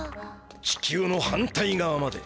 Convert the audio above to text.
地球の反対がわまで。